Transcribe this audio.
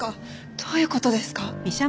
どういう事ですか？